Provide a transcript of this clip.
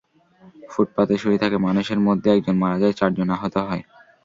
ফুটপাতে শুয়ে থাকা মানুষের মধ্যে একজন মারা যায়, চারজন আহত হয়।